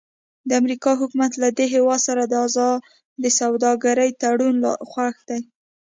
د امریکا حکومت له دې هېواد سره د ازادې سوداګرۍ تړون خوښ دی.